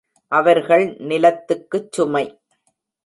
அவர்கள் நிலத்துக்குச் சுமை.